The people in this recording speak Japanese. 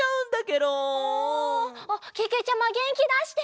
あけけちゃまげんきだして！